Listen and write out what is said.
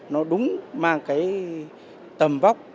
nó đúng mang tầm vóc